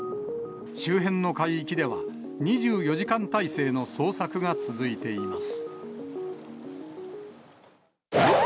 周辺の海域では、２４時間態勢の捜索が続いています。